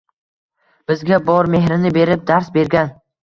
Bizga bor mehrini berib dars bergan.